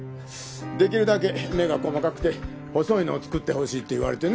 できるだけ目が細かくて細いのを作ってほしいって言われてね。